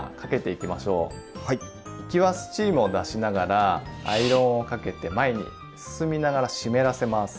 行きはスチームを出しながらアイロンをかけて前に進みながら湿らせます。